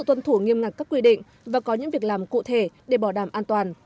tuân thủ nghiêm ngặt các quy định và có những việc làm cụ thể để bảo đảm an toàn